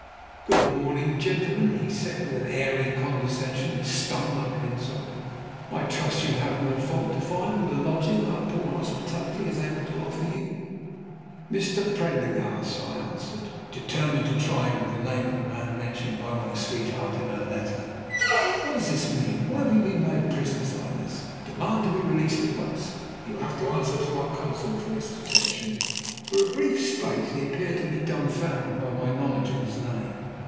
"Good morning, gentlemen," he said, with an airy condescension that stung like an insult; "I trust you have no fault to find with the lodging our poor hospitality is able to afford you." "Mr. Prendergast," I answered, determined to try him with the name of the man mentioned by my sweetheart in her letter. "What does this mean? Why have we been made prisoners like this? I demand to be released at once. You will have to answer to our consul for this detention." For a brief space he appeared to be dumbfounded by my knowledge of his name.